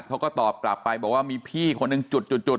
เขาก็ตอบกลับไปบอกว่ามีพี่คนหนึ่งจุด